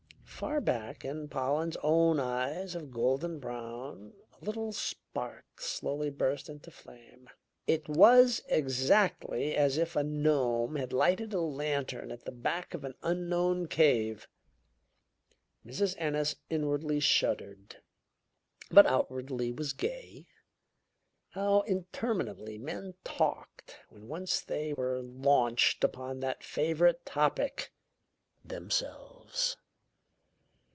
Far back in Pollen's own eyes of golden brown a little spark slowly burst into flame. It was exactly as if a gnome had lighted a lantern at the back of an unknown cave. Mrs. Ennis inwardly shuddered, but outwardly was gay. How interminably men talked when once they were launched upon that favorite topic, themselves!